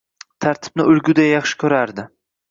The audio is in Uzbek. tartibni o’lguday yaxshi ko’rardi